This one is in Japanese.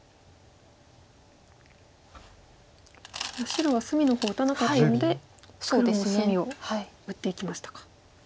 白は隅の方打たなかったので黒も隅を打っていきましたか。